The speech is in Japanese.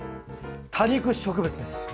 多肉植物です。